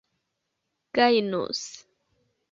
gajnus